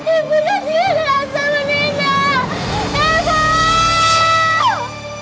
ibu jangan tinggal liuh nasi sama nina